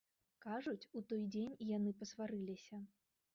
Кажуць, у той дзень яны пасварыліся.